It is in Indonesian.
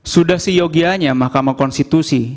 sudah seyogianya mahkamah konstitusi